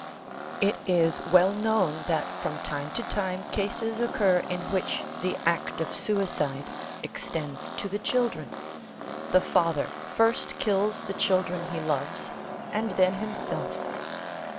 It is well known that from time to time cases occur in which the act of suicide extends to the children. The father first kills the children he loves, and then himself.